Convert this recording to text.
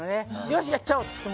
よしやっちゃおうって。